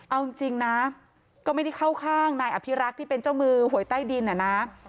เอาจริงนะก็ไม่ได้เข้าข้างนายอภิรักษ์ที่เป็นเจ้ามือหวยใต้ดินอะนะ